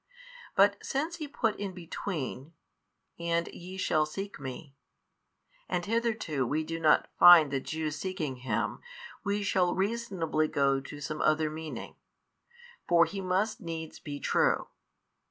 But since He put in between, And ye shall seek Me, and hitherto we do not find the Jews seeking Him, we shall reasonably go to some other |581 meaning: for He must needs be True.